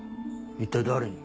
一体誰に？